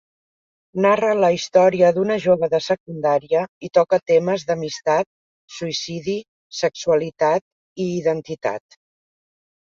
Narra la història d'una jove de secundària i toca temes d'amistat, suïcidi, sexualitat i identitat.